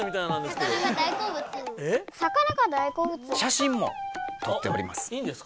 写真もとっております。